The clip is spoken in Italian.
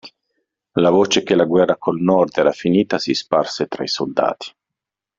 La voce che la guerra col Nord era finita si sparse tra i soldati.